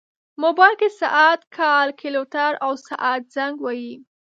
موبایل کې ساعت، کیلکولیټر، او ساعت زنګ وي.